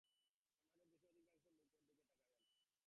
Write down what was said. আমাদের দেশে অধিকাংশ লোক ওর দিকে তাকাবে না।